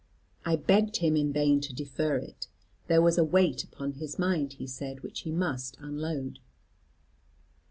I begged him in vain to defer it: there was a weight upon his mind, he said, which he must unload.